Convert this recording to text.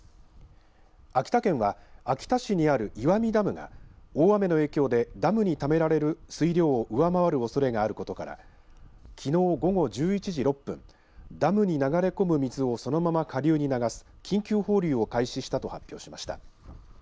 秋田県は秋田市にある岩見ダムが大雨の影響でダムにためられる水量を上回るおそれがあることからきのう午後１１時６分、ダムに流れ込む水をそのまま下流に流す緊急放流を開始したと発表しました。